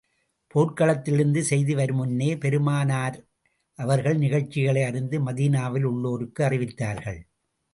போர்க்களத்திலிருந்து செய்தி வருமுன்னே, பெருமானார் அவர்கள் நிகழ்ச்சிகளை அறிந்து, மதீனாவில் உள்ளோருக்கு அறிவித்தார்கள்.